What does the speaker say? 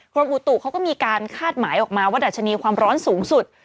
กรมอุตุเขาก็มีการคาดหมายออกมาว่าดัชนีความร้อนสูงสุด